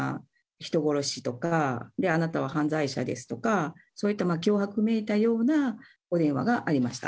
人殺しとか、あなたは犯罪者ですとか、そういった脅迫めいたようなお電話がありました。